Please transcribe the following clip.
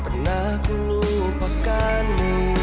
pernah ku lupakanu